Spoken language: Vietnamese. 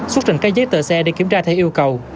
xuất trình các giấy tờ xe để kiểm tra theo yêu cầu